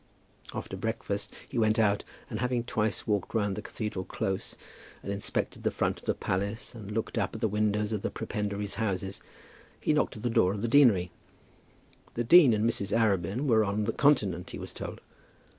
After breakfast he went out, and having twice walked round the Cathedral close and inspected the front of the palace and looked up at the windows of the prebendaries' houses, he knocked at the door of the deanery. The dean and Mrs. Arabin were on the Continent, he was told.